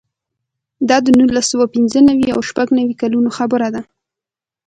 دا د نولس سوه پنځه نوې او شپږ نوې کلونو خبره ده.